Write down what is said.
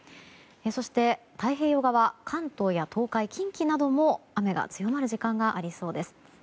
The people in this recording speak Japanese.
そして太平洋側関東や東海、近畿なども雨が強まる時間がありそうです。